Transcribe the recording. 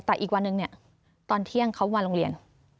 แต่อีกวันหนึ่งเนี่ยตอนเที่ยงเขามาโรงเรียน